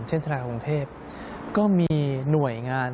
เช่นธนาคกรุงเทพก็มีหน่วยงาน